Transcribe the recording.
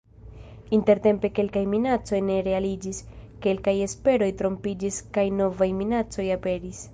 Intertempe kelkaj minacoj ne realiĝis, kelkaj esperoj trompiĝis, kaj novaj minacoj aperis.